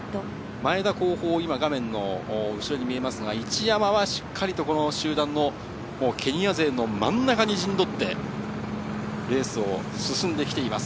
前田、画面の後ろに見えますが、一山はしっかり集団のケニア勢の真ん中に陣取って、レースが進んできています。